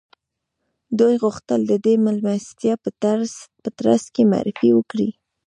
دوی غوښتل د دې مېلمستیا په ترڅ کې معرفي وکړي